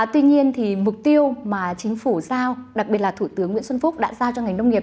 tuy nhiên mục tiêu mà chính phủ giao đặc biệt là thủ tướng nguyễn xuân phúc đã giao cho ngành nông nghiệp